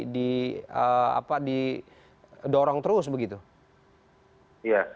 di dorong terus begitu itu